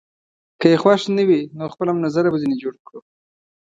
که يې خوښ نه وي، نو خپل هم نظره به ځینې جوړ کړو.